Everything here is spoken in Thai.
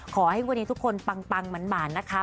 ขอให้วันนี้ทุกคนปังหมานนะคะ